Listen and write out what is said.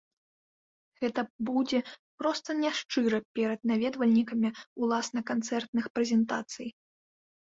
Гэта будзе проста няшчыра перад наведвальнікамі ўласна канцэртных прэзентацый.